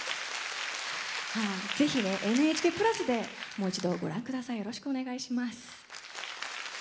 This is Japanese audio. ぜひ「ＮＨＫプラス」でもう一度、ご覧ください。